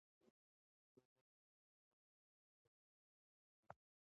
که پښتو ژبه وي، نو زموږ د یوه بل سره اړیکې مستحکم وي.